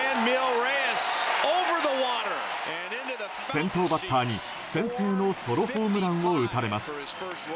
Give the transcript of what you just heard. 先頭バッターに、先制のソロホームランを打たれます。